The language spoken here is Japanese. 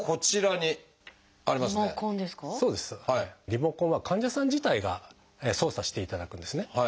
リモコンは患者さん自体が操作していただくんですね。